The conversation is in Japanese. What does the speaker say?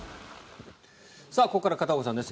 ここから片岡さんです。